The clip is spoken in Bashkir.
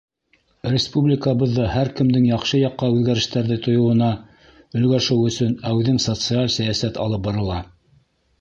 — Республикабыҙҙа һәр кемдең яҡшы яҡҡа үҙгәрештәрҙе тойоуына өлгәшеү өсөн әүҙем социаль сәйәсәт алып барыла.